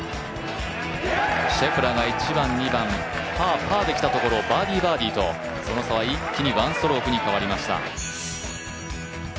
シェフラーが１番、２番、パー、パーできたところをバーディー、バーディーとその差は一気に１ストロークに変わりました。